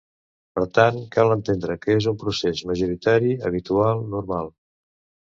Per tant, cal entendre que és un procés majoritari, habitual, normal.